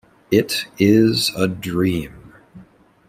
It is a dream.